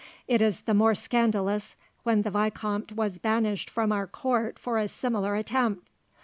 It was the more scandalous when the vicomte was banished from our court for a similar attempt.